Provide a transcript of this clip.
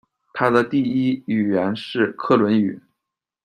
他的第一语言是克伦语。